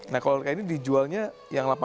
nah kalau ini dijualnya yang rp delapan